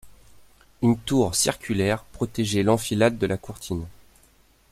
Une tour circulaire protégeait l'enfilade de la courtine.